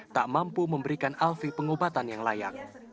tak mampu memberikan alfie pengobatan yang layak